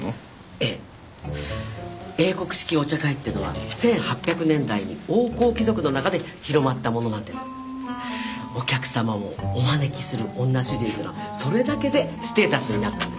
ええ英国式お茶会ってのは１８００年代に王侯貴族の中で広まったものなんですお客さまをお招きする女主人というのはそれだけでステータスになったんです